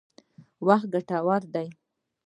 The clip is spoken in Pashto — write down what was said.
وخت ګټور دی.